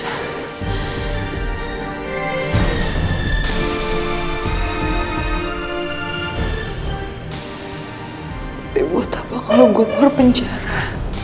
tapi buat apa kalau gue keluar penjara